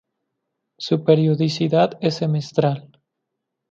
Su periodicidad es semestral.